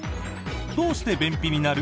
どうして便秘になる？